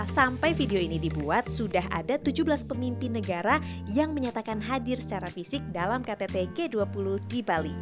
sampai video ini dibuat sudah ada tujuh belas pemimpin negara yang menyatakan hadir secara fisik dalam ktt g dua puluh di bali